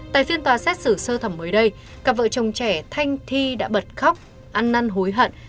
tại phiên tòa xét xử sơ thẩm mới đây cặp vợ chồng trẻ thanh thi đã bật khóc ăn năn hối hận